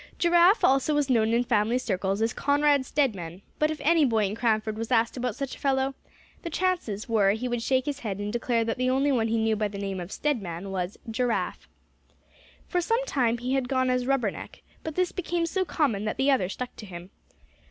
Giraffe also was known in family circles as Conrad Stedman; but if any boy in Cranford was asked about such a fellow, the chances were he would shake his head, and declare that the only one he knew by the name of Stedman was "Giraffe," For some time he had gone as "Rubberneck," but this became so common that the other stuck to him.